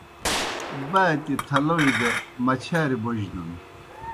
باتیْ تھلوئی دہ مچھاریْ بوجنَن